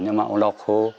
nhưng mà ông lọc hô